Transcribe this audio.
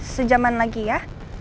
sejaman lagi ya